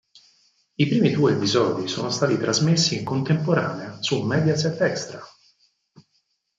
I primi due episodi sono stati trasmessi in contemporanea su Mediaset Extra.